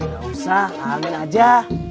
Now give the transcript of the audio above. gak usah amin aja